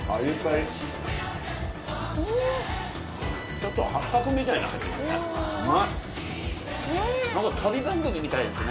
ちょっと八角みたいな感じですね